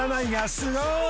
すごーい